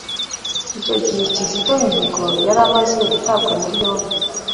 Icyo gihe Kizito Mihigo yari amaze gutabwa muri yombi